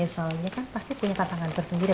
soalnya kan pasti punya tantangan tersendiri